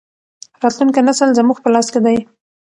راتلونکی نسل زموږ په لاس کې دی.